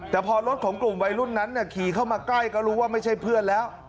แต่พอรถของกลุ่มวัยรุ่นนั้นขี่เข้ามาใกล้ก็รู้ว่าไม่ใช่เพื่อนแล้ว